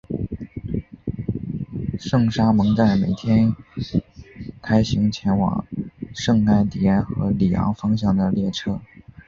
圣沙蒙站每天开行前往圣艾蒂安和里昂方向的列车。